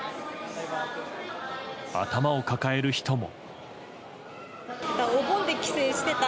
頭を抱える人も。